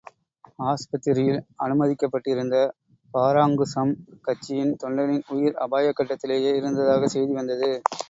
ஆஸ்பத்திரியில் அனுமதிக்கப்பட்டிருந்த பாராங்குசம் கட்சியின் தொண்டனின் உயிர் அபாயக் கட்டத்திலேயே இருந்ததாகச் செய்தி வந்தது.